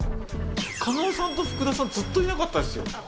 加納さんと福田さんずっといなかったですよ？